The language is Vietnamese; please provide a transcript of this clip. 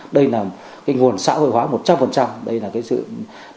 đây là cái nguồn xã hội hóa một trăm linh đây là cái sự đồng tình